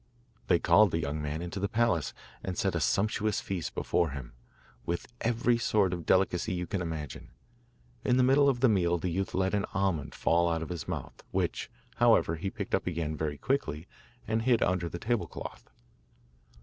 They called the young man into the palace, and set a sumptuous feast before him, with every sort of delicacy you can imagine. In the middle of the meal the youth let an almond fall out of his mouth, which, however, he picked up again very quickly and hid under the table cloth.